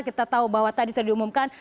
kita tahu bahwa tadi sudah diumumkan